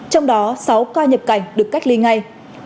trong đó sáu ca nhập cảnh được cách ly ngay